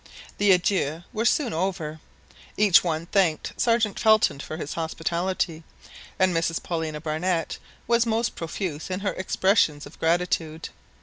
The adieux were soon over. Each one thanked Sergeant Felton for his hospitality, and Mrs Paulina Barnett was most profuse in her expressions of gratitude.